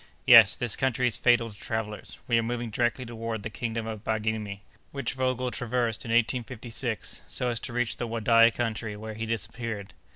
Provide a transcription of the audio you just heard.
"Yes, this country is fatal to travellers. We are moving directly toward the kingdom of Baghirmi, which Vogel traversed in 1856, so as to reach the Wadai country, where he disappeared.